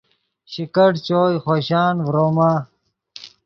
شکیٹ چوئے خوشان ڤروما